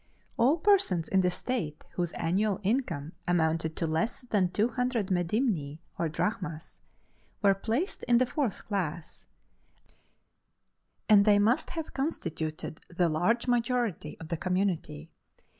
All persons in the state whose annual income amounted to less than two hundred medimni or drachmas were placed in the fourth class, and they must have constituted the large majority of the community.